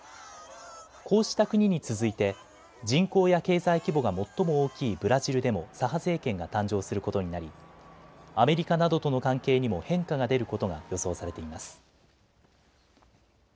こうした国に続いて人口や経済規模が最も大きいブラジルでも左派政権が誕生することになりアメリカなどとの関係にも変化が出ることが予想されています。